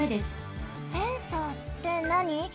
センサーってなに？